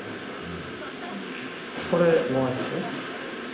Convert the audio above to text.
これ回して。